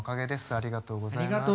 ありがとうございます。